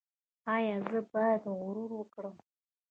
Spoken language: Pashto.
ایا زه باید غرور وکړم؟